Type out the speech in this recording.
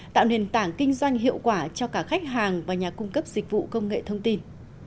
tạo nền tảng kinh doanh hiệu quả cho cả khách hàng và nhà cung cấp dịch vụ công nghệ thông tin